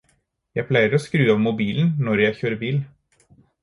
Jeg pleier å skru av mobilen når jeg kjører bil.